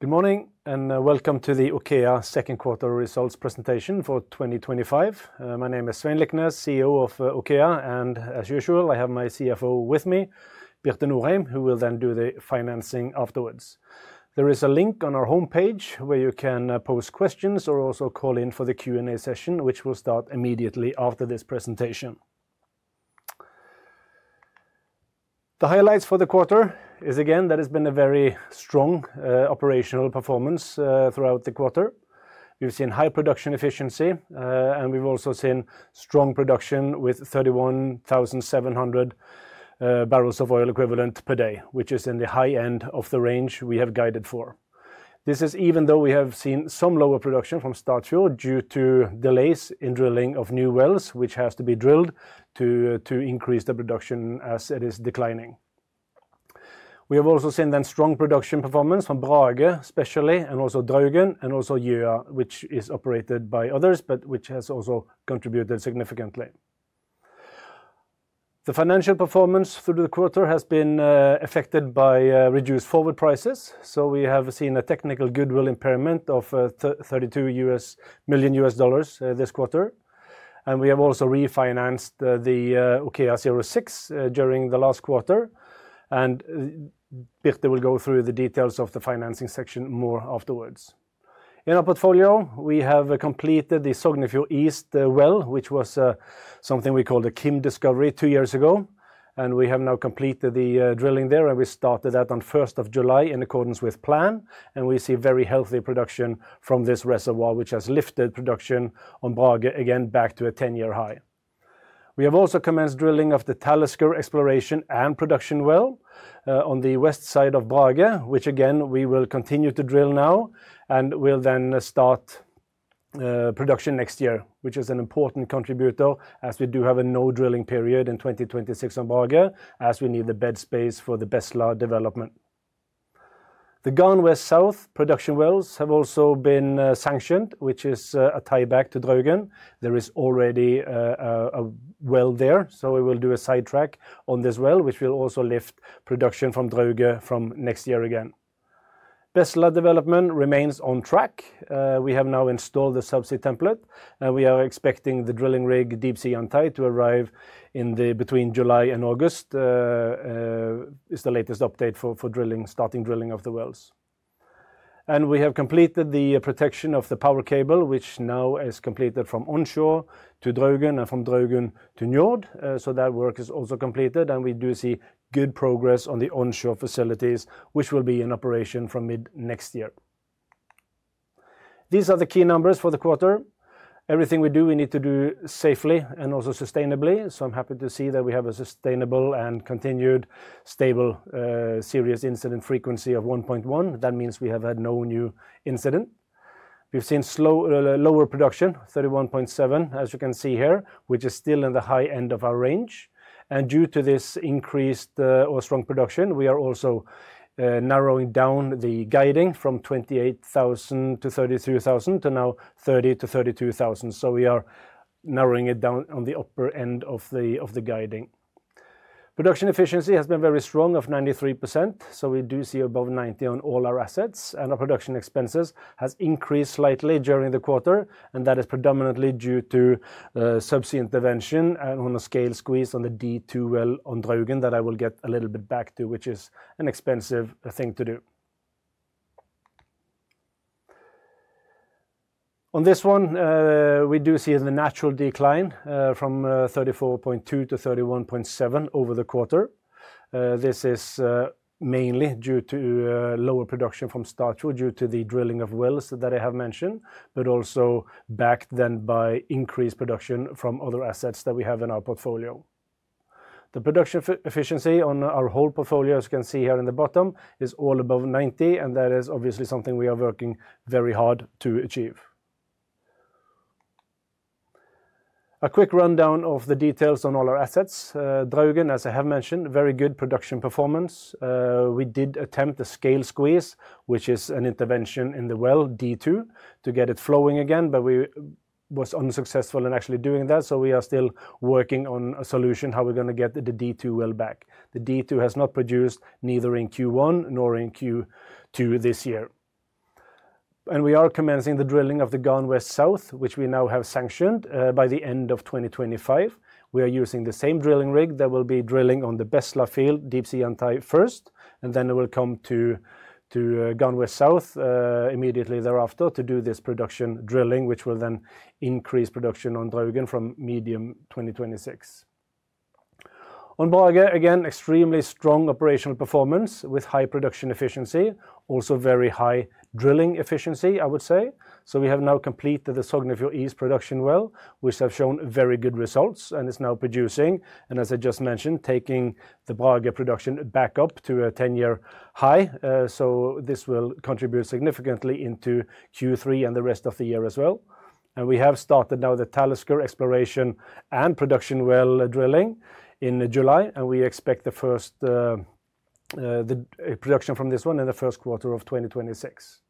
Good morning and welcome to the OKEA ASA second quarter results presentation for 2025. My name is Svein Liknes, CEO of OKEA ASA, and as usual, I have my CFO with me, Birte Norheim, who will then do the financing afterwards. There is a link on our homepage where you can post questions or also call in for the Q&A session, which will start immediately after this presentation. The highlights for the quarter are, again, that it's been a very strong operational performance throughout the quarter. We've seen high production efficiency, and we've also seen strong production with 31,700 barrels of oil equivalent per day, which is in the high end of the range we have guided for. This is even though we have seen some lower production from Statsjord due to delays in drilling of new wells, which have to be drilled to increase the production as it is declining. We have also seen then strong production performance from Brage, especially, and also Drøgen, and also Jøa, which is operated by others, but which has also contributed significantly. The financial performance through the quarter has been affected by reduced forward prices, so we have seen a technical goodwill impairment of $32 million this quarter. We have also refinanced the OKEA 06 during the last quarter, and Birte will go through the details of the financing section more afterwards. In our portfolio, we have completed the Sognefjord East well, which was something we called a Kim discovery two years ago, and we have now completed the drilling there, and we started that on 1st of July in accordance with plan. We see very healthy production from this reservoir, which has lifted production on Brage again back to a 10-year high. We have also commenced drilling of the Talisker exploration and production well on the west side of Brage, which again we will continue to drill now and will then start production next year, which is an important contributor as we do have a no-drilling period in 2026 on Brage, as we need the bed space for the Bestla development project. The Garn West South production wells have also been sanctioned, which is a tieback to Drøgen. There is already a well there, so we will do a sidetrack on this well, which will also lift production from Drøgen from next year again. Bestla development project remains on track. We have now installed the subsea template, and we are expecting the drilling rig Deepsea Yantai to arrive between July and August. It's the latest update for drilling, starting drilling of the wells. We have completed the protection of the power cable, which now is completed from onshore to Drøgen and from Drøgen to Njord. That work is also completed, and we do see good progress on the onshore facilities, which will be in operation from mid-next year. These are the key numbers for the quarter. Everything we do, we need to do safely and also sustainably. I'm happy to see that we have a sustainable and continued stable serious incident frequency of 1.1. That means we have had no new incident. We've seen lower production, 31.7, as you can see here, which is still in the high end of our range. Due to this increased or strong production, we are also narrowing down the guiding from 28,000-33,000 to now 30,000-32,000. We are narrowing it down on the upper end of the guiding. Production efficiency has been very strong at 93%. We do see above 90 on all our assets, and our production expenses have increased slightly during the quarter, and that is predominantly due to subsea intervention and on a scale squeeze on the D2 well on Drøgen that I will get a little bit back to, which is an expensive thing to do. On this one, we do see the natural decline from 34.2-31.7 over the quarter. This is mainly due to lower production from Statsjord due to the drilling of wells that I have mentioned, but also backed then by increased production from other assets that we have in our portfolio. The production efficiency on our whole portfolio, as you can see here in the bottom, is all above 90%, and that is obviously something we are working very hard to achieve. A quick rundown of the details on all our assets. Drøgen, as I have mentioned, very good production performance. We did attempt a scale squeeze, which is an intervention in the well D2, to get it flowing again, but we were unsuccessful in actually doing that. We are still working on a solution how we're going to get the D2 well back. The D2 has not produced neither in Q1 nor in Q2 this year. We are commencing the drilling of the Garn West South, which we now have sanctioned by the end of 2025. We are using the same drilling rig that will be drilling on the Bestla field, Deepsea Yantai first, and then it will come to Garn West South immediately thereafter to do this production drilling, which will then increase production on Drøgen from mid-2026. On Brage, again, extremely strong operational performance with high production efficiency, also very high drilling efficiency, I would say. We have now completed the Sognefjord East production well, which has shown very good results and is now producing, and as I just mentioned, taking the Brage production back up to a 10-year high. This will contribute significantly into Q3 and the rest of the year as well. We have started now the Talisker exploration and production well drilling in July, and we expect the first production from this one in the first quarter of 2026.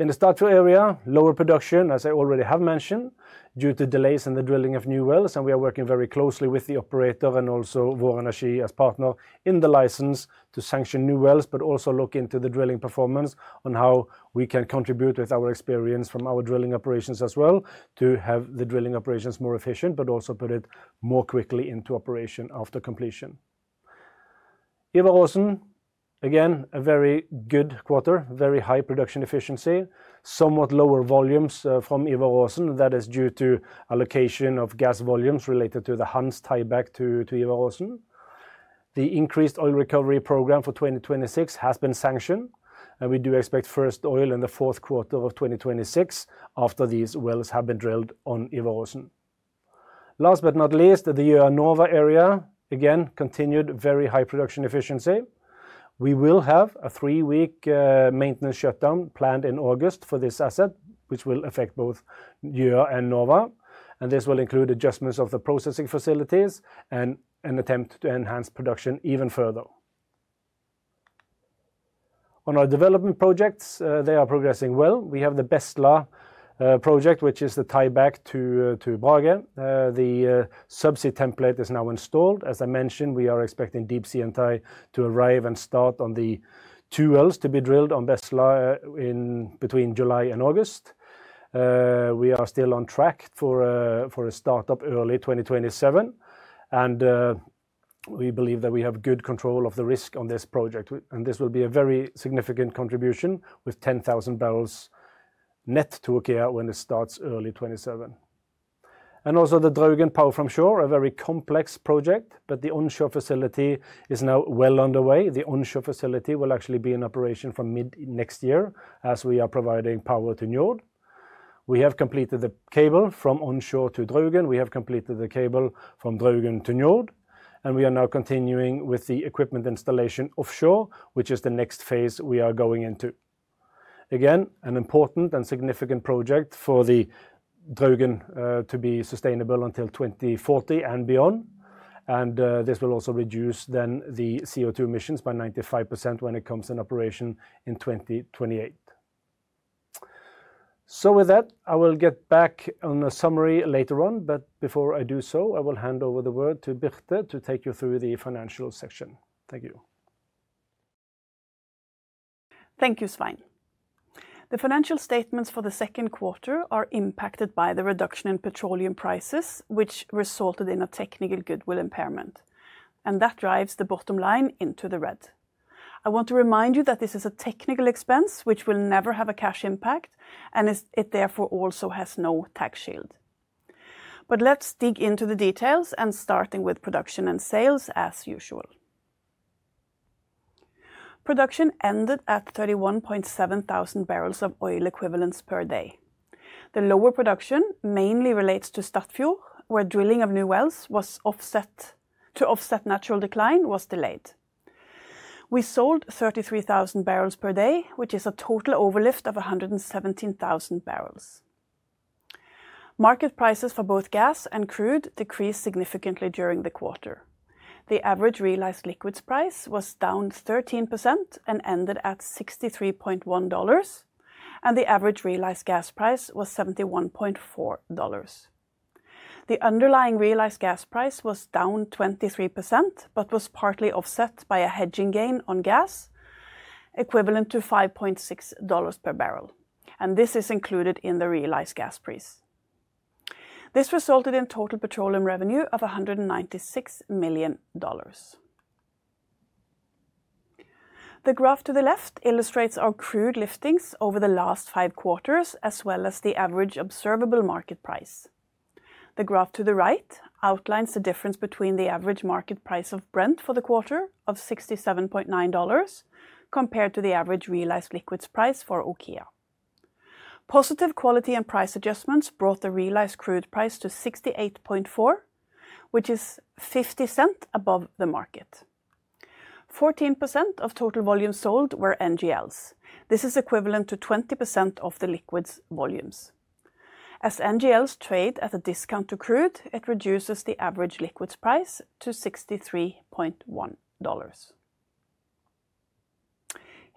In the Statsjord area, lower production, as I already have mentioned, is due to delays in the drilling of new wells, and we are working very closely with the operator and also Våreneski as partner in the license to sanction new wells, but also look into the drilling performance on how we can contribute with our experience from our drilling operations as well to have the drilling operations more efficient, but also put it more quickly into operation after completion. Ivar Aasen, again, a very good quarter, very high production efficiency, somewhat lower volumes from Ivar Aasen. That is due to allocation of gas volumes related to the Hans tieback to Ivar Aasen. The increased oil recovery program for 2026 has been sanctioned, and we do expect first oil in the fourth quarter of 2026 after these wells have been drilled on Ivar Aasen. Last but not least, the Jøa-Nåva area, again, continued very high production efficiency. We will have a three-week maintenance shutdown planned in August for this asset, which will affect both Jøa and Nåva, and this will include adjustments of the processing facilities and an attempt to enhance production even further. On our development projects, they are progressing well. We have the Bestla project, which is the tieback to Brage. The subsea template is now installed. As I mentioned, we are expecting Deepsea Yantai to arrive and start on the two wells to be drilled on Bestla between July and August. We are still on track for a startup early 2027, and we believe that we have good control of the risk on this project. This will be a very significant contribution with 10,000 barrels net to OKEA when it starts early 2027. Also, the Draugen Power from Shore project, a very complex project, but the onshore facility is now well underway. The onshore facility will actually be in operation from mid-next year as we are providing power to Njord. We have completed the cable from onshore to Draugen. We have completed the cable from Drøgen to Njord, and we are now continuing with the equipment installation offshore, which is the next phase we are going into. Again, an important and significant project for the Drøgen to be sustainable until 2040 and beyond. This will also reduce the CO₂ emissions by 95% when it comes in operation in 2028. With that, I will get back on a summary later on, but before I do so, I will hand over the word to Birte to take you through the financial section. Thank you. Thank you, Svein. The financial statements for the second quarter are impacted by the reduction in petroleum prices, which resulted in a technical goodwill impairment. That drives the bottom line into the red. I want to remind you that this is a technical expense, which will never have a cash impact, and it therefore also has no tax shield. Let's dig into the details, starting with production and sales as usual. Production ended at 31,700 barrels of oil equivalent per day. The lower production mainly relates to Statsjord, where drilling of new wells to offset natural decline was delayed. We sold 33,000 barrels per day, which is a total overlift of 117,000 barrels. Market prices for both gas and crude decreased significantly during the quarter. The average realized liquids price was down 13% and ended at $63.1, and the average realized gas price was $71.4. The underlying realized gas price was down 23% but was partly offset by a hedging gain on gas equivalent to $5.6 per barrel. This is included in the realized gas price. This resulted in total petroleum revenue of $196 million. The graph to the left illustrates our crude liftings over the last five quarters, as well as the average observable market price. The graph to the right outlines the difference between the average market price of Brent for the quarter of $67.9 compared to the average realized liquids price for OKEA. Positive quality and price adjustments brought the realized crude price to $68.4, which is $0.50 above the market. 14% of total volume sold were NGLs. This is equivalent to 20% of the liquids volumes. As NGLs trade at a discount to crude, it reduces the average liquids price to $63.1.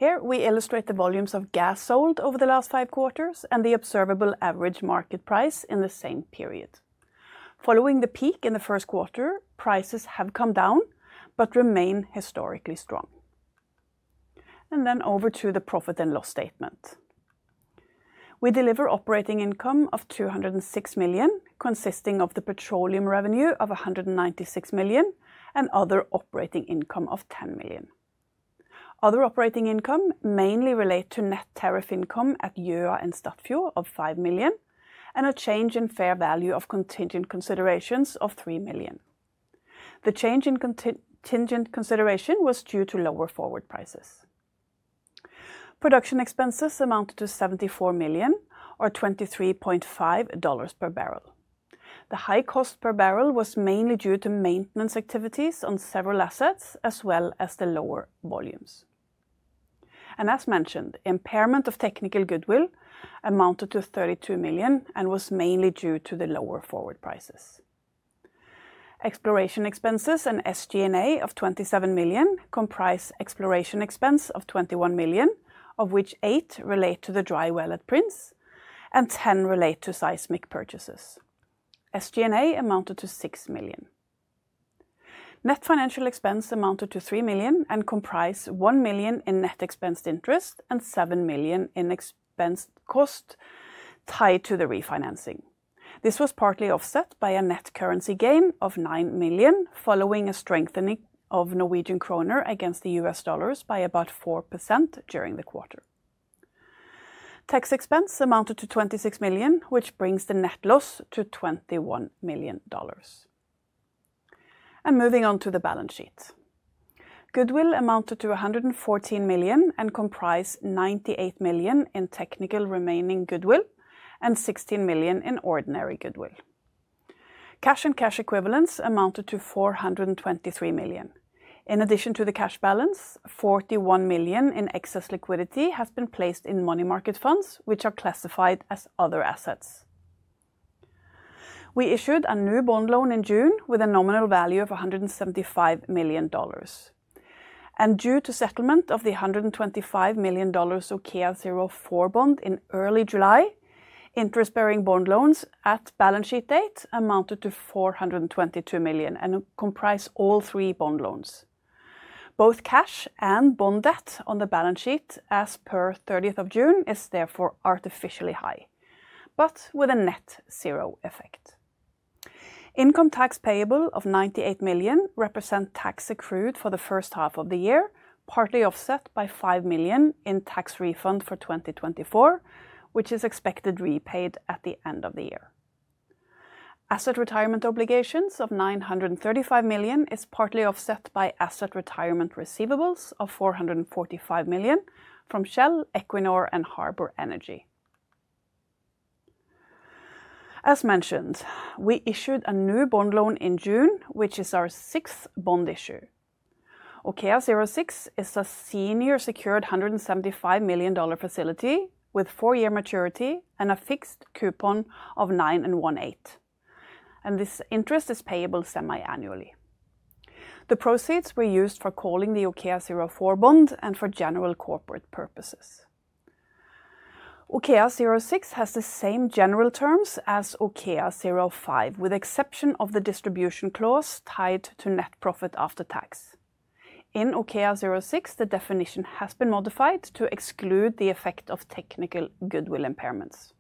Here we illustrate the volumes of gas sold over the last five quarters and the observable average market price in the same period. Following the peak in the first quarter, prices have come down but remain historically strong. Over to the profit and loss statement. We deliver operating income of $206 million, consisting of the petroleum revenue of $196 million and other operating income of $10 million. Other operating income mainly relates to net tariff income at Jøa and Statsjord of $5 million and a change in fair value of contingent considerations of $3 million. The change in contingent consideration was due to lower forward prices. Production expenses amounted to $74 million or $23.5 per barrel. The high cost per barrel was mainly due to maintenance activities on several assets, as well as the lower volumes. As mentioned, impairment of technical goodwill amounted to $32 million and was mainly due to the lower forward prices. Exploration expenses and SG&A of $27 million comprise exploration expense of $21 million, of which $8 million relate to the dry well at Prince, and $10 million relate to seismic purchases. SG&A amounted to $6 million. Net financial expense amounted to $3 million and comprised $1 million in net expense interest and $7 million in expense cost tied to the refinancing. This was partly offset by a net currency gain of $9 million following a strengthening of Norwegian kroner against the U.S. dollars by about 4% during the quarter. Tax expense amounted to $26 million, which brings the net loss to $21 million. Moving on to the balance sheets, goodwill amounted to $114 million and comprised $98 million in technical remaining goodwill and $16 million in ordinary goodwill. Cash and cash equivalents amounted to $423 million. In addition to the cash balance, $41 million in excess liquidity has been placed in money market funds, which are classified as other assets. We issued a new bond loan in June with a nominal value of $175 million. Due to settlement of the $125 million OKEA 04 bond in early July, interest-bearing bond loans at balance sheet date amounted to $422 million and comprised all three bond loans. Both cash and bond debt on the balance sheet as per 30th of June is therefore artificially high, but with a net zero effect. Income tax payable of $98 million represents tax accrued for the first half of the year, partly offset by $5 million in tax refund for 2024, which is expected repaid at the end of the year. Asset retirement obligations of $935 million are partly offset by asset retirement receivables of $445 million from Shell, Equinor, and Harbor Energy. We issued a new bond loan in June, which is our sixth bond issue. OKEA 06 is a senior secured $175 million facility with four-year maturity and a fixed coupon of 9.18%. This interest is payable semi-annually. The proceeds were used for calling the OKEA 04 bond and for general corporate purposes. OKEA 06 has the same general terms as OKEA 05, with the exception of the distribution clause tied to net profit after tax. In OKEA 06, the definition has been modified to exclude the effect of technical goodwill impairments.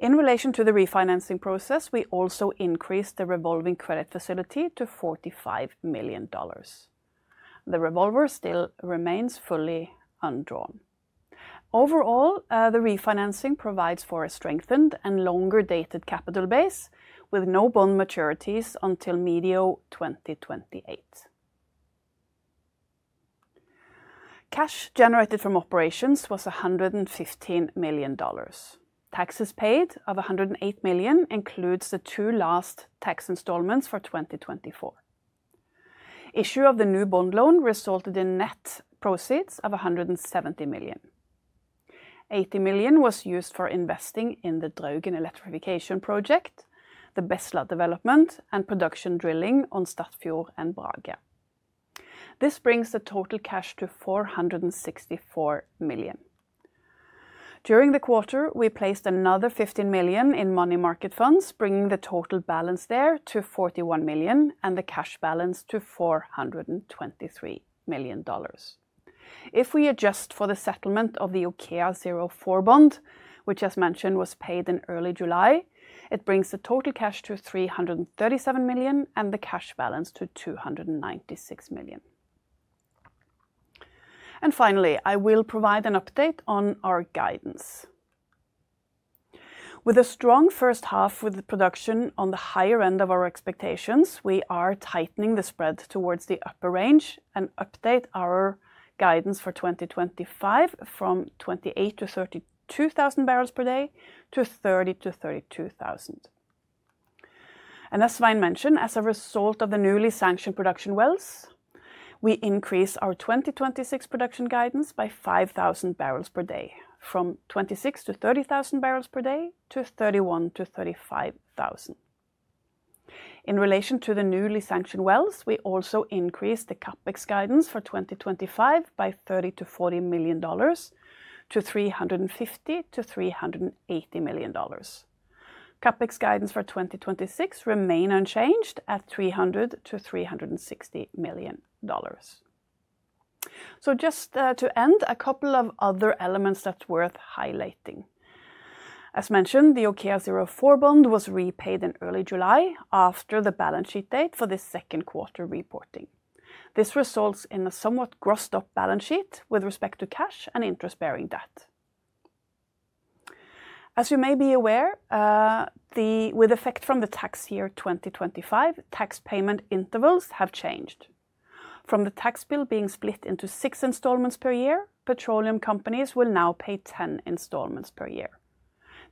In relation to the refinancing process, we also increased the revolving credit facility to $45 million. The revolver still remains fully undrawn. Overall, the refinancing provides for a strengthened and longer-dated capital base with no bond maturities until mid-2028. Cash generated from operations was $115 million. Taxes paid of $108 million include the two last tax installments for 2024. Issue of the new bond loan resulted in net proceeds of $170 million. $80 million was used for investing in the Drøgen electrification project, the Bestla development project, and production drilling on Statsjord and Brage. This brings the total cash to $464 million. During the quarter, we placed another $15 million in money market funds, bringing the total balance there to $41 million and the cash balance to $423 million. If we adjust for the settlement of the OKEA 04 bond, which as mentioned was paid in early July, it brings the total cash to $337 million and the cash balance to $296 million. Finally, I will provide an update on our guidance. With a strong first half with production on the higher end of our expectations, we are tightening the spread towards the upper range and update our guidance for 2025 from 28,000-32,000 barrels per day to 30,000-32,000. As Svein mentioned, as a result of the newly sanctioned production wells, we increase our 2026 production guidance by 5,000 barrels per day from 26,000-30,000 barrels per day to 31,000-35,000. In relation to the newly sanctioned wells, we also increase the CapEx guidance for 2025 by $30 million-$40 million-$350 million-$380 million. CapEx guidance for 2026 remains unchanged at $300 million-$360 million. Just to end, a couple of other elements that are worth highlighting. As mentioned, the OKEA 04 bond was repaid in early July after the balance sheet date for this second quarter reporting. This results in a somewhat grossed-up balance sheet with respect to cash and interest-bearing debt. As you may be aware, with effect from the tax year 2025, tax payment intervals have changed. From the tax bill being split into six installments per year, petroleum companies will now pay 10 installments per year.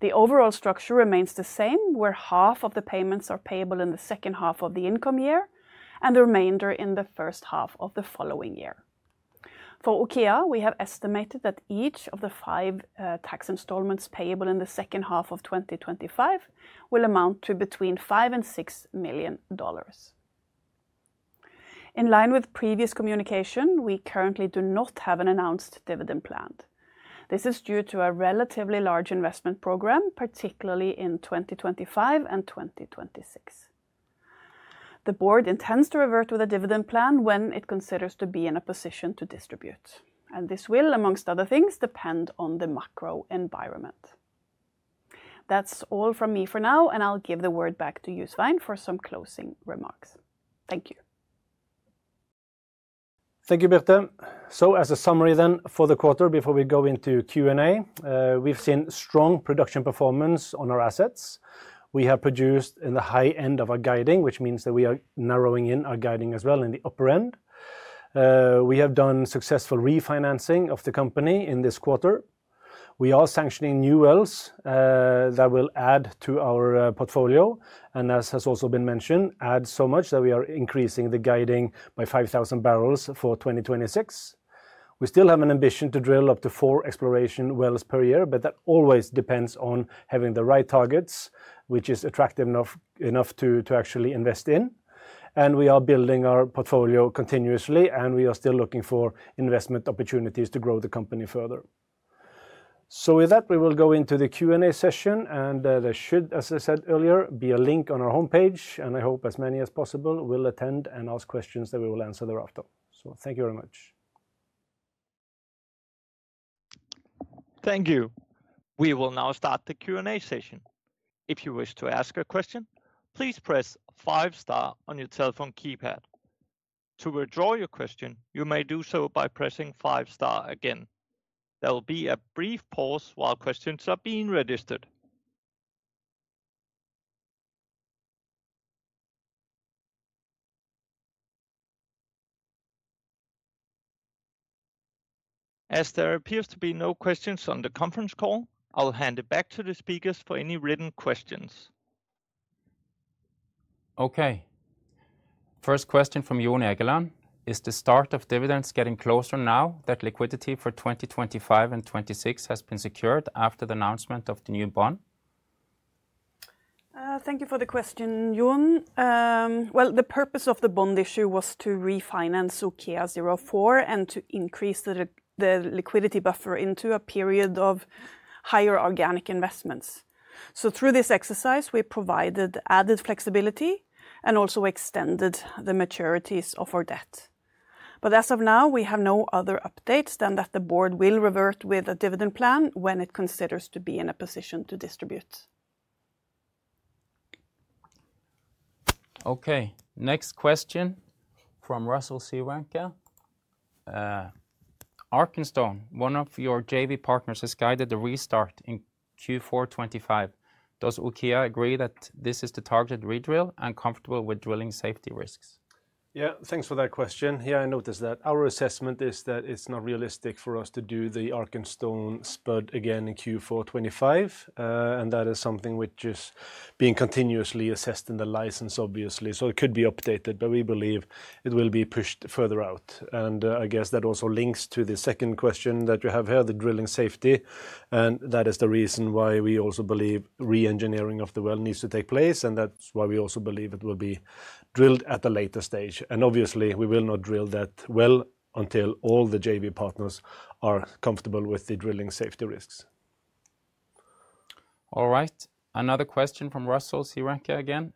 The overall structure remains the same, where half of the payments are payable in the second half of the income year and the remainder in the first half of the following year. For OKEA, we have estimated that each of the five tax installments payable in the second half of 2025 will amount to between $5 million and $6 million. In line with previous communication, we currently do not have an announced dividend planned. This is due to a relatively large investment program, particularly in 2025 and 2026. The Board intends to revert with a dividend plan when it considers to be in a position to distribute. This will, amongst other things, depend on the macro environment. That's all from me for now, and I'll give the word back to you, Svein, for some closing remarks. Thank you. Thank you, Birte. As a summary then for the quarter, before we go into Q&A, we've seen strong production performance on our assets. We have produced in the high end of our guiding, which means that we are narrowing in our guiding as well in the upper end. We have done successful refinancing of the company in this quarter. We are sanctioning new wells that will add to our portfolio. As has also been mentioned, add so much that we are increasing the guiding by 5,000 barrels for 2026. We still have an ambition to drill up to four exploration wells per year, but that always depends on having the right targets, which is attractive enough to actually invest in. We are building our portfolio continuously, and we are still looking for investment opportunities to grow the company further. With that, we will go into the Q&A session, and there should, as I said earlier, be a link on our homepage, and I hope as many as possible will attend and ask questions that we will answer thereafter. Thank you very much. Thank you. We will now start the Q&A session. If you wish to ask a question, please press five star on your telephone keypad. To withdraw your question, you may do so by pressing five star again. There will be a brief pause while questions are being registered. As there appears to be no questions on the conference call, I'll hand it back to the speakers for any written questions. OK. First question from Joon Agelan. Is the start of dividends getting closer now that liquidity for 2025 and 2026 has been secured after the announcement of the new bond? Thank you for the question, Joon. The purpose of the bond issue was to refinance OKEA 04 and to increase the liquidity buffer into a period of higher organic investments. Through this exercise, we provided added flexibility and also extended the maturities of our debt. As of now, we have no other updates than that the board will revert with a dividend plan when it considers to be in a position to distribute. OK. Next question from Russell Siewanka. Arkenstone, one of your JV partners, has guided the restart in Q4 2025. Does OKEA agree that this is the targeted redrill and comfortable with drilling safety risks? Thank you for that question. I noticed that our assessment is that it's not realistic for us to do the Arkenstone spud again in Q4 2025. That is something which is being continuously assessed in the license, obviously. It could be updated, but we believe it will be pushed further out. I guess that also links to the second question that you have here, the drilling safety. That is the reason why we also believe re-engineering of the well needs to take place. That's why we also believe it will be drilled at a later stage. Obviously, we will not drill that well until all the JV partners are comfortable with the drilling safety risks. All right. Another question from Russell Siewanka again.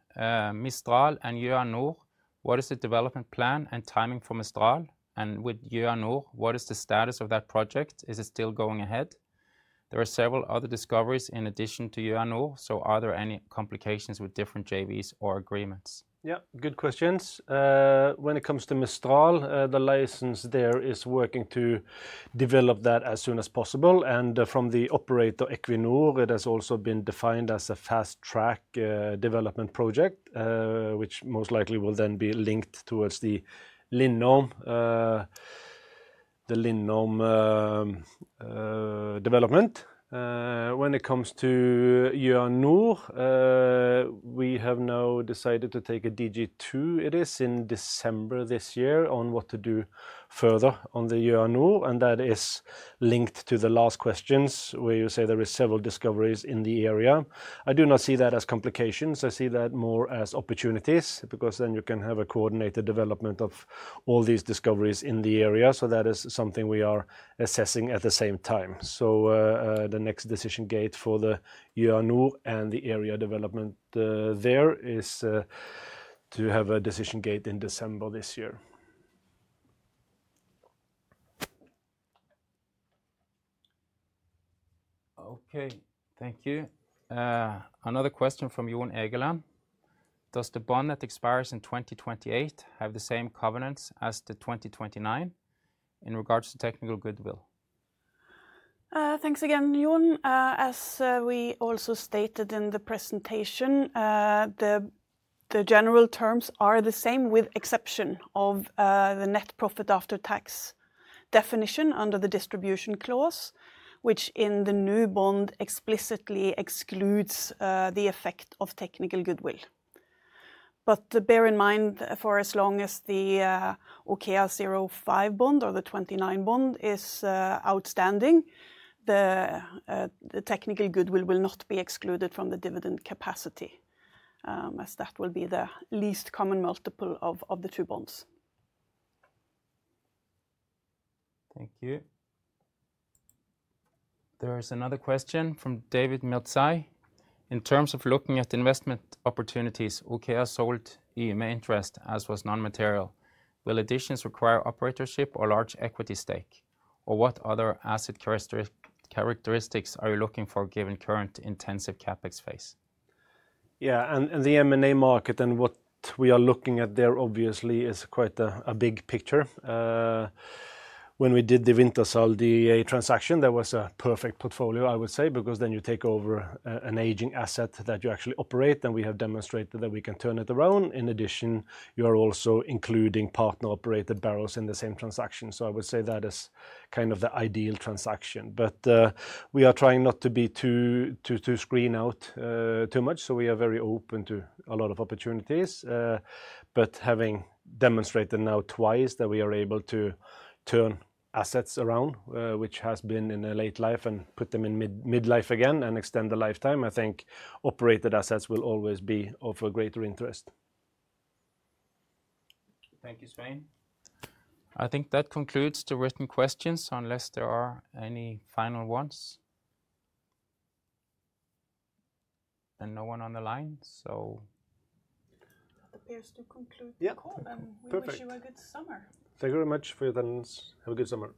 Mistral and Jøa-Når. What is the development plan and timing for Mistral? With Jøa-Når, what is the status of that project? Is it still going ahead? There are several other discoveries in addition to Jøa-Når. Are there any complications with different JVs or agreements? Yeah, good questions. When it comes to Mistral, the license there is working to develop that as soon as possible. From the operator Equinor, it has also been defined as a fast track development project, which most likely will then be linked towards the Lindholm development. When it comes to Jøa-Når, we have now decided to take a DG2 in December this year on what to do further on the Jøa-Når. That is linked to the last questions where you say there are several discoveries in the area. I do not see that as complications. I see that more as opportunities because then you can have a coordinated development of all these discoveries in the area. That is something we are assessing at the same time. The next decision gate for the Jøa-Når and the area development there is to have a decision gate in December this year. OK, thank you. Another question from Joon Agelan. Does the bond that expires in 2028 have the same covenants as the 2029 in regards to technical goodwill? Thanks again, Joon. As we also stated in the presentation, the general terms are the same with the exception of the net profit after tax definition under the distribution clause, which in the new bond explicitly excludes the effect of technical goodwill. Bear in mind, for as long as the OKEA 05 bond or the '29 bond is outstanding, the technical goodwill will not be excluded from the dividend capacity, as that will be the least common multiple of the two bonds. Thank you. There is another question from David Mjøtsæ. In terms of looking at investment opportunities, OKEA sold EMA interest as it was non-material. Will additions require operatorship or a large equity stake? What other asset characteristics are you looking for given the current intensive CapEx phase? Yeah, the M&A market and what we are looking at there obviously is quite a big picture. When we did the Wintershall DEA transaction, that was a perfect portfolio, I would say, because then you take over an aging asset that you actually operate. We have demonstrated that we can turn it around. In addition, you are also including partner-operated barrels in the same transaction. I would say that is kind of the ideal transaction. We are trying not to be too screened out too much. We are very open to a lot of opportunities. Having demonstrated now twice that we are able to turn assets around, which has been in a late life, and put them in mid-life again and extend the lifetime, I think operated assets will always be of a greater interest. Thank you, Svein. I think that concludes the written questions unless there are any final ones. No one on the line, so. That appears to conclude the call. We wish you a good summer. Thank you very much. Have a good summer.